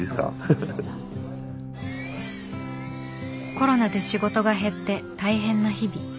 コロナで仕事が減って大変な日々。